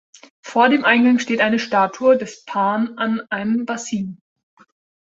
Vor dem Eingang steht eine Statue des Pan an einem Bassin.